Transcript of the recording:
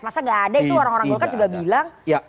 masa gak ada itu orang orang golkar juga bilang